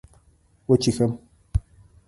وچيښم